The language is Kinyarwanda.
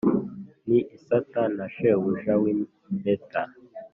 ni isata na shebuja w’impeta